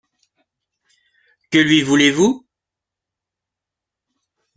Que lui voulez-vous?